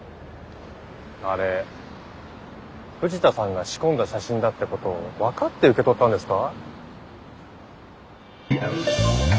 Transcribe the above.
あれ藤田さんが仕込んだ写真だってことを分かって受け取ったんですか？